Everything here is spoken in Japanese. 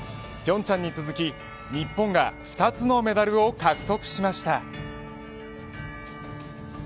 平昌に続き日本が２つのメダルを獲得しました。